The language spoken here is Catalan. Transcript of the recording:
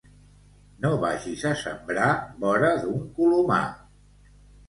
No vagis a sembrar vora d'un colomar.